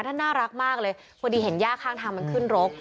น่ารักมากเลยพอดีเห็นย่าข้างทางมันขึ้นรก